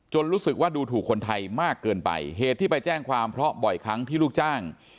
รู้สึกว่าดูถูกคนไทยมากเกินไปเหตุที่ไปแจ้งความเพราะบ่อยครั้งที่ลูกจ้าง